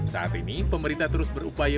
saat ini pemerintah terus berupaya